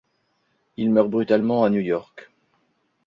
Il meurt brutalement à New York.